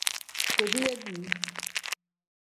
Kediiya dii.